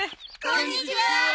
こんにちは。